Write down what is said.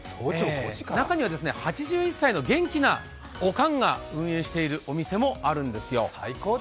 中には８１歳の元気なおかんが運営しているお店もあるんですよ。